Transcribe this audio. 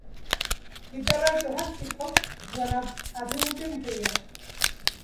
বিদ্যালয়ের প্রধান শিক্ষক জনাব আজিম উদ্দীন ভূঁইয়া।